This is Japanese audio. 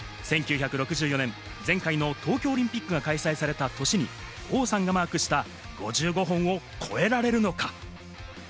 １９６４年、前回の東京オリンピックが開催された年に王さんがマークした５５本を超えられるのか？